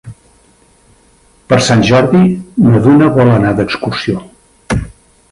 Per Sant Jordi na Duna vol anar d'excursió.